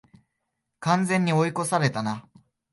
完全に追い越されたな